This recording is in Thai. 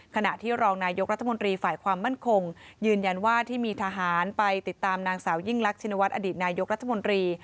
ขณะที่รองนายกรัฐมนตรีฝ่ายความมั่นคงยืนยันว่าที่มีทหารไปติดตามนางสาวยิ่งรักชินวัฒนอดีตนายกรัฐมนตรี